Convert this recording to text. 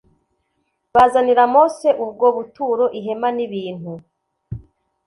Bazanira Mose ubwo buturo ihema n ibintu